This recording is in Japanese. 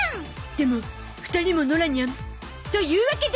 でも２人も野良ニャンというわけで